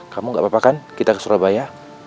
kamu gak apa apa kan kita ke surabaya